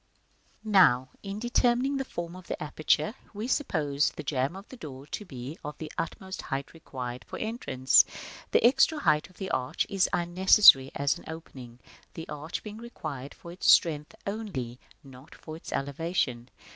§ II. Now, in determining the form of the aperture, we supposed the jamb of the door to be of the utmost height required for entrance. The extra height of the arch is unnecessary as an opening, the arch being required for its strength only, not for its elevation.